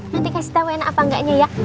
nanti kasih tahu enak apa enggaknya ya